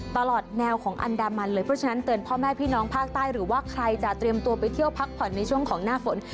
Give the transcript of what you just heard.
ตลอดแนวของอันดามันเลยเพราะฉะนั้นเตือนพ่อแม่พี่น้องภาคใต้หรือว่าใครจะเตรียมตัวไปเที่ยวพักผ่อนในช่วงของหน้าฝน